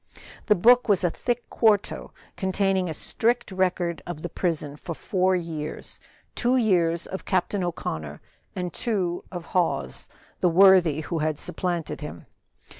The book was a thick quarto, containing a strict record of the prison for four years; two years of Captain O'Connor, and two of Hawes, the worthy who had supplanted him.